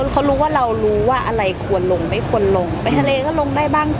เขารู้ว่าเรารู้ว่าอะไรควรลงไม่ควรลงไปทะเลก็ลงได้บ้าง